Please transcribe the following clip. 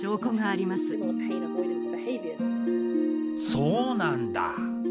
そうなんだ！